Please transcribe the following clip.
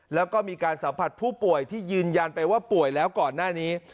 แล้วก็มีการสัมผัสผู้ป่วยที่ยืนยันไปว่าป่วยแล้วก่อนหน้านี้